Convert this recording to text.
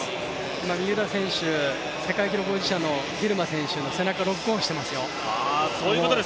今、三浦選手、世界記録保持者のギルマ選手の背中をロックオンしていますよ。